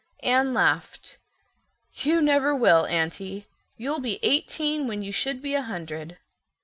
Anne laughed. "You never will, Aunty. You'll be eighteen when you should be a hundred.